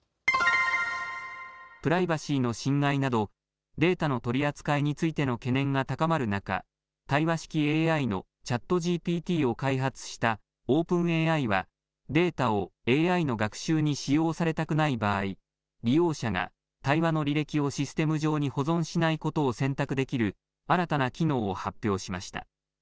プライバシーの侵害などデータの取り扱いについての懸念が高まる中、対話式ＡＩのＣｈａｔＧＰＴを開発したオープンＡＩはデータをＡＩの学習に使用されたくない場合、利用者が対話の履歴をシステム上に保存しないことを選択できる新たな機能を発表しました。